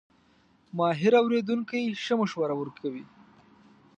ماهر اورېدونکی ښه مشوره ورکوي.